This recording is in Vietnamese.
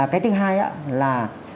cái thứ hai là